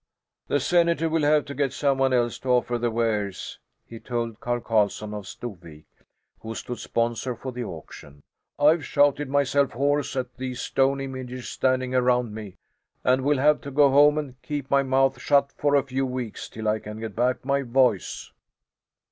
"The senator will have to get some one else to offer the wares," he told Carl Carlson of Stovik, who stood sponsor for the auction. "I've shouted myself hoarse at these stone images standing around me, and will have to go home and keep my mouth shut for a few weeks, till I can get back my voice."